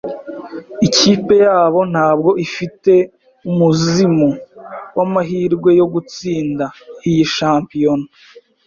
Ikipe yabo ntabwo ifite umuzimu wamahirwe yo gutsinda iyi shampiyona.